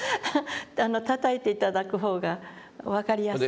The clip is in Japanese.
たたいて頂く方が分かりやすいですよねうん。